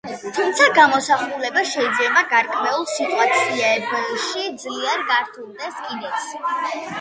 თუმცა გამოსახულება შეიძლება გარკვეულ სიტუაციებში ძლიერ გართულდეს კიდეც.